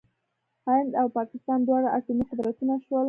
هند او پاکستان دواړه اټومي قدرتونه شول.